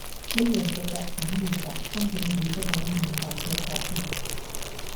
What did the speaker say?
呢樣嘅作文練習根本起不到練習嘅作用